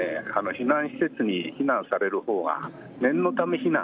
避難施設に避難される方が念のため避難。